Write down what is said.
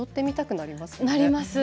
なります！